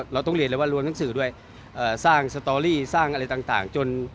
เราต้องเรียนเลยว่ารวมหนังสือด้วยสร้างสตอรี่สร้างอะไรต่างจน